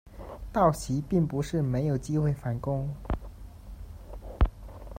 道奇并不是没有机会反攻。